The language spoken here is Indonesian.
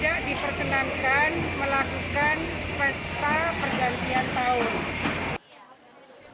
tidak diperkenankan melakukan pesta pergantian tahun